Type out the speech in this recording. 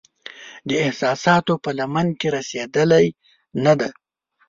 د احساساتو په لمن کې رسیدلې نه دی